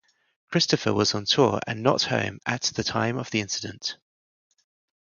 Christofer was on tour and not home at the time of the incident.